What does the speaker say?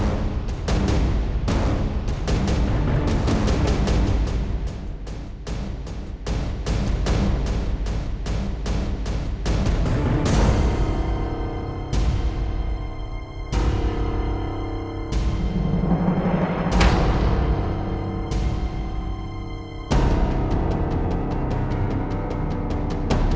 alamat jalan keramatan nomor tiga puluh